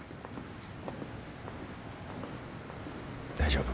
大丈夫。